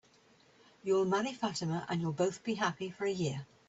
You'll marry Fatima, and you'll both be happy for a year.